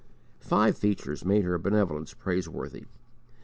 Five features made her benevolence praiseworthy.